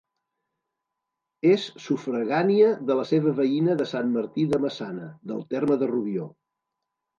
És sufragània de la seva veïna de Sant Martí de Maçana, del terme de Rubió.